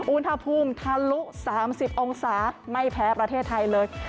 อุณหภูมิทะลุ๓๐องศาไม่แพ้ประเทศไทยเลย